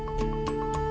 supaya beliau lebih khusus